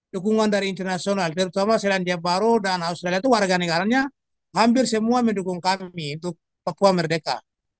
dukungan dari internasional terutama selandia baru dan australia itu warga negaranya hampir semua mendukung kami untuk papua merdeka